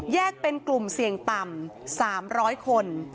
เป็นกลุ่มเสี่ยงต่ำ๓๐๐คน